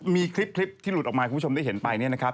มีคลิปที่หลุดออกมาคุณผู้ชมได้เห็นไปเนี่ยนะครับ